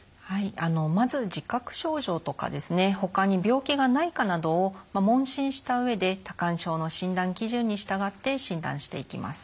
まず自覚症状とかほかに病気がないかなどを問診した上で多汗症の診断基準に従って診断していきます。